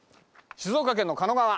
静岡県の狩野川。